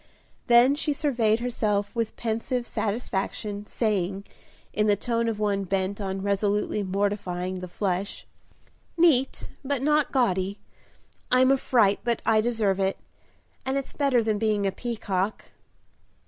Then she surveyed herself with pensive satisfaction, saying, in the tone of one bent on resolutely mortifying the flesh, "Neat but not gaudy; I'm a fright, but I deserve it, and it's better than being a peacock."